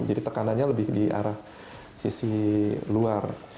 jadi tekanannya lebih di arah sisi luar